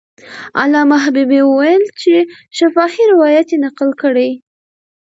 علامه حبیبي وویل چې شفاهي روایت یې نقل کړی.